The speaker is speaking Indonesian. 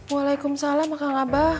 waalaikumsalam kang abah